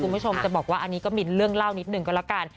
คุณผู้ชมจะบอกว่าอันนี้ก็มีเรื่องเล่านิดหนึ่งก็แล้วกัน